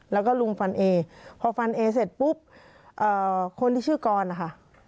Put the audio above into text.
แล้วก็ลุงฟันเอพอฟันเอเสร็จปุ๊บคนที่ชื่อกรนะคะ